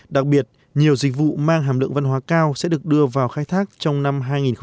đặc biệt nhiều dịch vụ mang hàm lượng văn hóa cao sẽ được đưa vào khai thác trong năm hai nghìn hai mươi